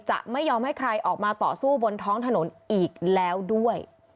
จะไม่ยอมให้ใครออกมาต่อสู้บนท้องถนนอีกแล้วด้วย